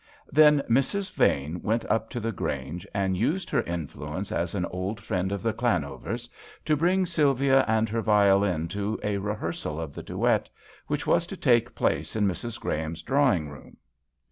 Then Mrs. Vane went up to the Grange and used her influence as an old friend of the Llanovers to bring Sylvia and her violin to a rehearsal of the duet which was to take place in Mrs. Graham's drawing room.